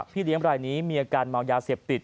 พี่เลี้ยงรายนี้มีอาการเมายาเสพติด